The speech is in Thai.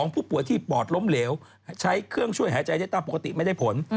ผู้ป่วยที่ปอดล้มเหลวใช้เครื่องช่วยหายใจได้ตามปกติไม่ได้ผล